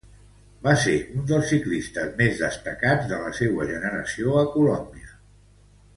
Va ser un dels ciclistes més destacats de la seua generació a Colòmbia.